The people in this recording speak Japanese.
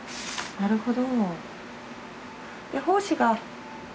なるほど。